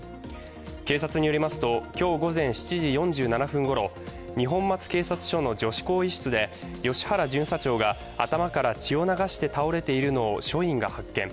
警察によりますと今日午前７時４７分ごろ二本松警察署の女子更衣室で吉原巡査長が頭から血を流して倒れているのを署員が発見。